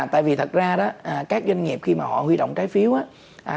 tại vì thật ra đó các doanh nghiệp khi mà họ huy động trái phiếu